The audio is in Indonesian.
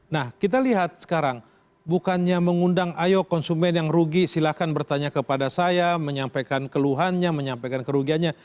nah kita lihat sekarang bukannya mengundang ayo konsumen yang rugi silahkan bertanya kepada saya menyampaikan keluhannya menyampaikan kerugiannya